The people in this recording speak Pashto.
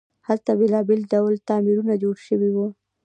هلته بیلابیل ډوله تعمیرونه جوړ شوي وو.